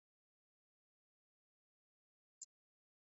Tiene un título en Leyes y una Maestría en Derechos de Autor.